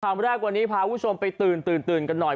คำแรกวันนี้พาคุณผู้ชมไปตื่นกันหน่อย